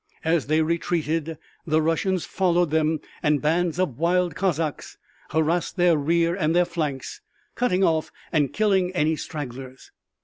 As they retreated the Russians followed them and bands of wild Cossacks harassed their rear and their flanks, cutting off and killing any stragglers.